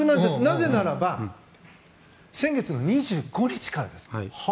なぜならば先月の２５日からです。